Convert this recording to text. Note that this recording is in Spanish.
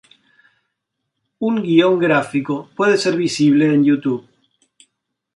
Un guion gráfico puede ser visible en YouTube.